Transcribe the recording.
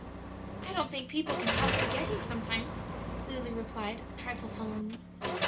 "I don't think people can help forgetting sometimes," Lulu replied, a trifle sullenly.